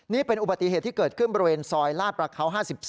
นี่เป็นอุบัติเหตุที่เกิดขึ้นบริเวณซอยลาดประเขา๕๒